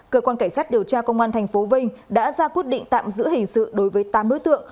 cơ quan cảnh sát điều tra công an tp vinh đã ra quyết định tạm giữ hình sự đối với tám đối tượng